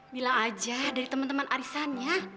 bilang aja dari temen temen arisannya